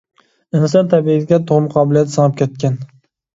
ئىنسان تەبىئىتىگە تۇغما قابىلىيەت سىڭىپ كەتكەن.